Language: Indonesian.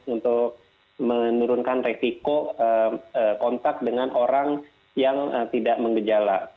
untuk menurunkan resiko kontak dengan orang yang tidak mengejala